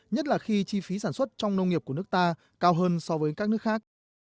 nhất là khi chi phí sản xuất trong nông nghiệp của nước ta cao hơn so với các nước khác